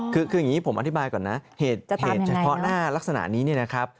คืออย่างนี้ผมอธิบายก่อนนะเหตุเฉพาะหน้าลักษณะนี้เนี่ยนะครับ